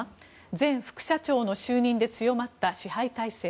前副社長の就任で強まった支配体制。